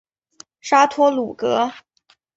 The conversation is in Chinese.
沙托鲁格。